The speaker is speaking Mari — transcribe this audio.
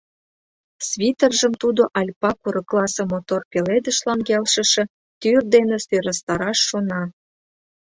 Свитержым тудо Альпа курыкласе мотор пеледышлан келшыше тӱр дене сӧрастараш шона.